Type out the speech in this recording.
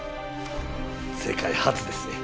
世界初ですね。